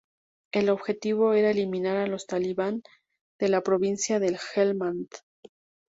El objetivo era eliminar a los Talibán de la Provincia de Helmand.